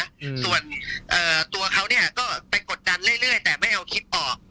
อืมส่วนเอ่อตัวเขาเนี้ยก็ไปกดดันเรื่อยเรื่อยแต่ไม่เอาคลิปออก